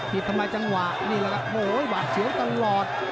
ผิดทำไมจังหว่าโอ้โหหว่าเฉียวตลอด